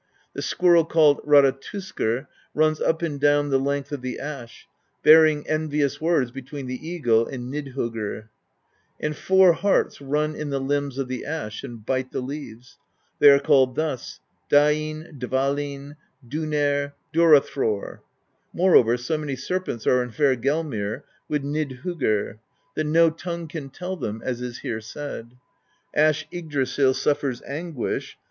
The squirrel called Ratatoskr runs up and down the length of the Ash, bear ing envious words between the eagle and Nidhoggr; and four harts run in the limbs of the Ash and bite the leaves. They are called thus: Dainn, Dvalinn, Duneyrr, Dura thror. Moreover, so many serpents are in Hvergelmir with Nidhoggr, that no tongue can tell them, as is here said: Ash Yggdrasill suffers anguish.